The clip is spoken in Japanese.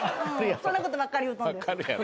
そんな事ばっかり言うとんです。